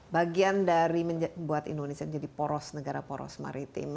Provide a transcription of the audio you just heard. bagian dari membuat indonesia jadi poros negara poros maritim